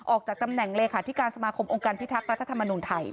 ออกจากตำแหน่งเลขาธิการสมาคมองค์การพิทักษ์รัฐธรรมนุนไทย